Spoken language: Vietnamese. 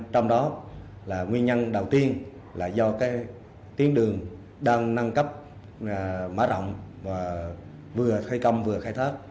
trong đó nguyên nhân đầu tiên là do tiến đường đang nâng cấp mã rộng vừa thay cầm vừa khai thác